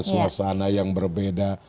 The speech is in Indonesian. suasana yang berbeda